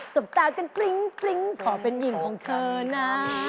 บตากันปริ้งขอเป็นหญิงของเธอนะ